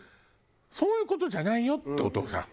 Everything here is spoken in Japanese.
そういう事じゃないよってお父さん。